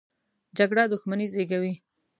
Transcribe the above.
جګړه دښمني زېږوي